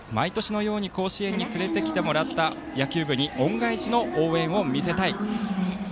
さとうさんは毎年のように甲子園に連れてきてもらった野球部に恩返しの応援を見せたい。